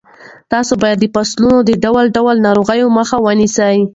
تاسو باید د فصلونو د ډول ډول ناروغیو مخه ونیسئ.